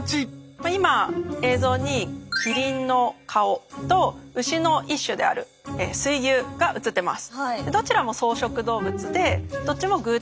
今映像にキリンの顔とウシの一種である水牛が映ってます。